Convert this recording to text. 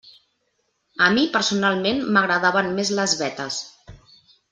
A mi personalment, m'agradaven més les vetes.